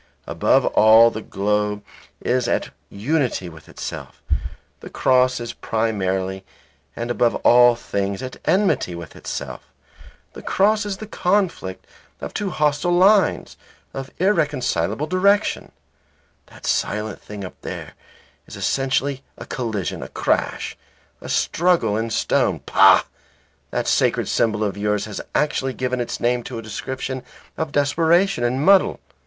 Above all the globe is at unity with itself; the cross is primarily and above all things at enmity with itself. The cross is the conflict of two hostile lines, of irreconcilable direction. That silent thing up there is essentially a collision, a crash, a struggle in stone. Pah! that sacred symbol of yours has actually given its name to a description of desperation and muddle.